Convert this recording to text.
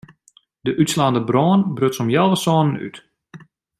De útslaande brân bruts om healwei sânen út.